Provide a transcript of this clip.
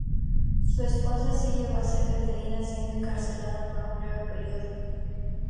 Su esposa sí llegó a ser detenida, siendo encarcelada por un breve período.